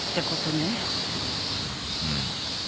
うん。